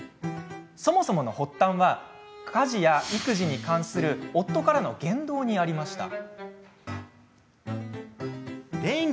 そもそもの発端は育児や家事に関する夫からの言動にありました。